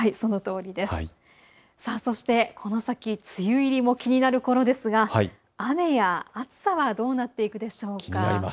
そして、この先、梅雨入りも気になるころですが、雨や暑さはどうなっていくんでしょうか。